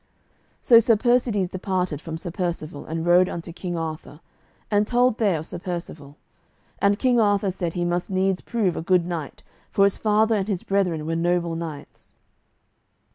So Sir Persides departed from Sir Percivale, and rode unto King Arthur, and told there of Sir Percivale. And King Arthur said he must needs prove a good knight, for his father and his brethren were noble knights.